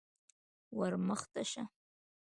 _ور مخته شه.